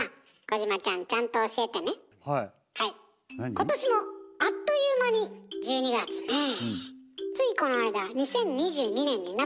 今年もあっという間に１２月ねえ。